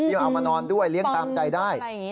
เอามานอนด้วยเลี้ยงตามใจได้